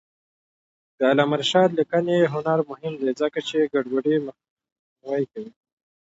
د علامه رشاد لیکنی هنر مهم دی ځکه چې ګډوډي مخنیوی کوي.